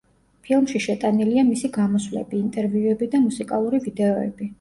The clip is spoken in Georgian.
ფილმში შეტანილია მისი გამოსვლები, ინტერვიუები და მუსიკალური ვიდეოები.